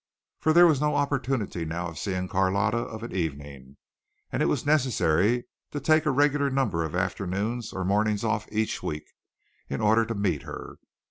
For there was no opportunity now of seeing Carlotta of an evening, and it was necessary to take a regular number of afternoons or mornings off each week, in order to meet her.